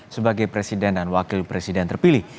sebagai presiden dan wakil presiden terpilih